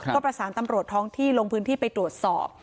ก็ประสานตำรวจท้องที่ลงพื้นที่ไปตรวจสอบ